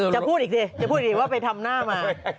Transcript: จะพูดอีกสิจะพูดอีกว่าไปทำหน้ามา